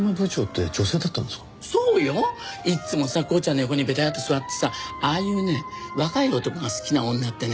いっつもさコウちゃんの横にベターッと座ってさああいうね若い男が好きな女ってね